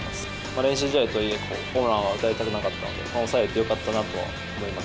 練習試合とはいえ、ホームランは打たれたくなかったので、抑えれてよかったなとは思います。